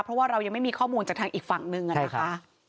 เพราะว่าเรายังไม่มีข้อมูลจากทางอีกฝั่งหนึ่งนะคะ